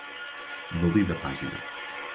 valide a página